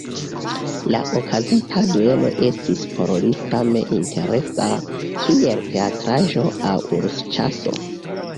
La okazonta duelo estis por li same interesa, kiel teatraĵo aŭ ursĉaso.